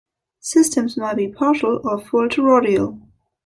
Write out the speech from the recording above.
Systems may be partial or full toroidal.